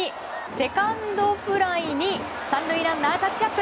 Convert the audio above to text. セカンドフライに３塁ランナー、タッチアップ！